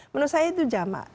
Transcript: menurut saya itu jamak